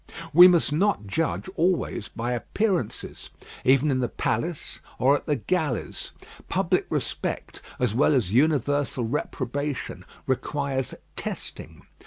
We must not judge always by appearances, even in the palace or at the galleys. Public respect, as well as universal reprobation, requires testing.